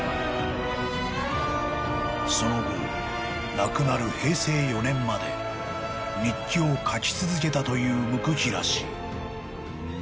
［その後亡くなる平成４年まで日記を書き続けたという椋平氏］